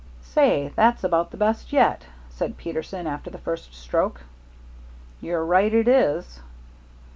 "Say, that's about the best yet," said Peterson, after the first stroke. "You're right it is."